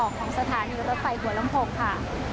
ของสถานีรถไฟหัวลำโพงค่ะ